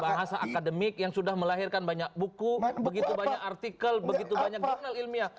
bahasa akademik yang sudah melahirkan banyak buku begitu banyak artikel begitu banyak jugnal ilmiah